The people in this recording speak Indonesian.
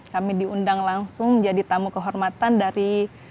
kami diundang langsung menjadi tamu kehormatan dari